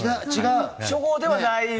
初号ではない。